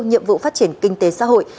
nhiệm vụ phát triển kinh tế xã hội